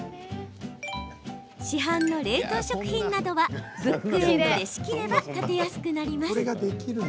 市販の冷凍食品などはブックエンドで仕切れば立てやすくなります。